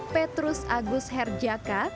petrus agus herjaka